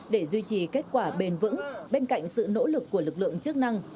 để duy trì kết quả bền vững bên cạnh sự nỗ lực của lực lượng chức năng